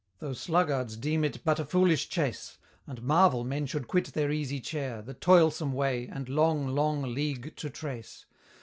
Though sluggards deem it but a foolish chase, And marvel men should quit their easy chair, The toilsome way, and long, long league to trace.